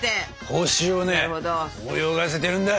ホシをね泳がせてるんだ！